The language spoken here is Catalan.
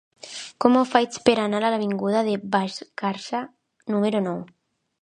Com ho faig per anar a l'avinguda de Vallcarca número nou?